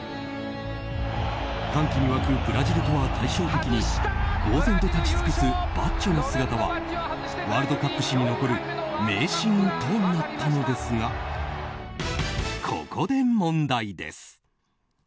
歓喜に沸くブラジルとは対照的に呆然と立ち尽くすバッジョの姿はワールドカップ史に残る名シーンとなったのですがここで問題です。